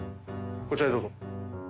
こちらへどうぞ。